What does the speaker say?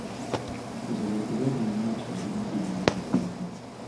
Nze wadde bagamba nti oli mubi naye nkwagala.